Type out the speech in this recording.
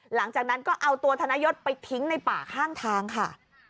หลังจากนั้นก็เอาตัวธนยศไปทิ้งในป่าข้างทางค่ะ